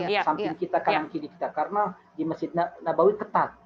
di samping kita kanan kiri kita karena di masjid nabawi ketat